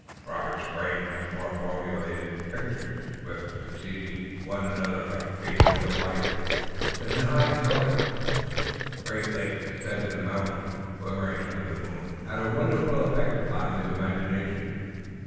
Robert's brain once more formed pictures, swift, succeeding one another like changes of light, but in high colors. The great lake set in the mountains and glimmering under the moon had a wonderful effect upon his imagination.